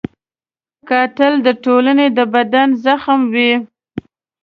قاتل د ټولنې د بدن زخم وي